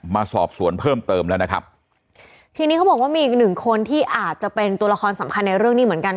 มาสอบสวนเพิ่มเติมแล้วนะครับทีนี้เขาบอกว่ามีอีกหนึ่งคนที่อาจจะเป็นตัวละครสำคัญในเรื่องนี้เหมือนกัน